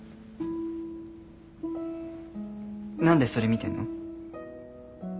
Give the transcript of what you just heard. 何でそれ見てんの？